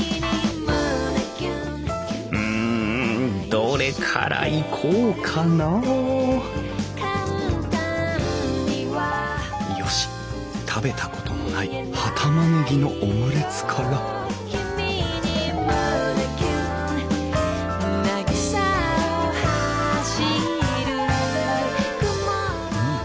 うんどれからいこうかなあよし食べたことのない葉たまねぎのオムレツからうん。